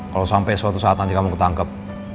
kalau sampai suatu saat nanti kamu ketangkep